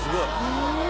え